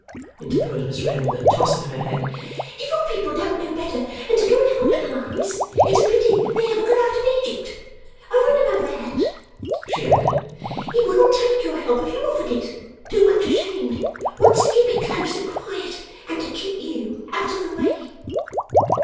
interposed Miss Wren, with a toss of her head. 'If your people don't know better than to go and help Little Eyes, it's a pity they ever got out of Egypt. Over and above that,' she added, 'he wouldn't take your help if you offered it. Too much ashamed. Wants to keep it close and quiet, and to keep you out of the way.